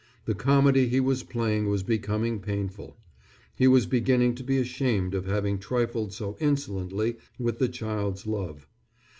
The comedy he was playing was becoming painful. He was beginning to be ashamed of having trifled so insolently with the child's love.